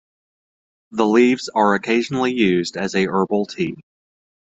The leaves are occasionally used as a herbal tea.